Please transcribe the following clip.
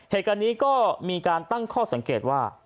เหตุการณ์นี้ก็มีการตั้งข้อสังเกตว่า